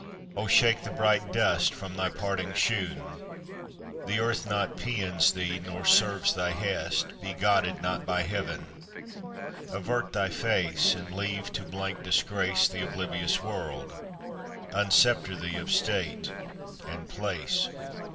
Oh, shake the bright dust from thy parting shoon! The earth not pæans thee, nor serves thy hest; Be godded not by Heaven! avert thy face, And leave to blank disgrace The oblivious world! unsceptre thee of state and place!